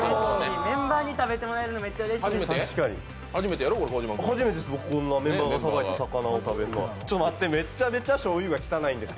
メンバーに食べてもらえるのめっちゃうれしいです。